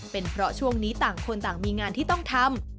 เป็นเพราะช่วงนี้ต่างคนต่างมีงานที่ต้องทำ